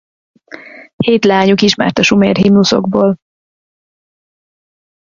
Hét leányuk ismert a sumer himnuszokból.